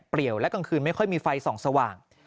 และกลางคืนไม่ค่อยมีไฟส่องสว่าง